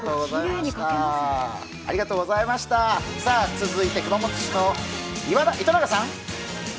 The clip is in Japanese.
続いて熊本市の糸永さん。